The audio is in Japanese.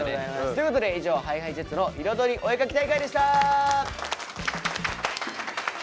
ということで以上「ＨｉＨｉＪｅｔｓのイロドリお絵描き大会」でした。